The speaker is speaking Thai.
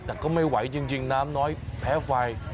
แต่ก็ไม่ไหวจริงน้ำน้อยแพ้ไฟ